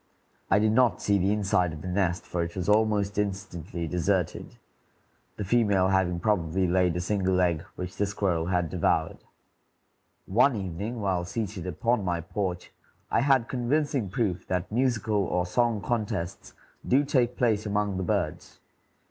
I did not see the inside of the nest, for it was almost instantly deserted, the female having probably laid a single egg, which the squirrel had devoured. One evening, while seated upon my porch, I had convincing proof that musical or song contests do take place among the birds.